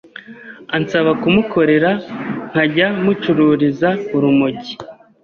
ansaba kumukorera nkajya mucururiza urumogi